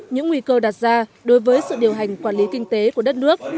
những nguy cơ đặt ra đối với sự điều hành quản lý kinh tế của đất nước